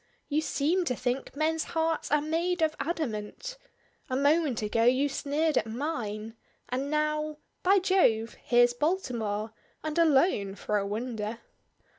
You seem to think men's hearts are made of adamant! A moment ago you sneered at mine, and now By Jove! Here's Baltimore and alone, for a wonder."